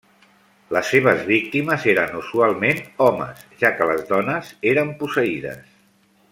Les seves víctimes eren usualment homes, ja que les dones eren posseïdes.